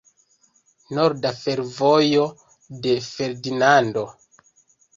Norda fervojo de Ferdinando.